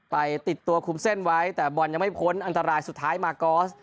ไปติดตัวคุมเส้นไว้แต่บอลยังไม่พ้นอันตรายสุดท้ายมากอส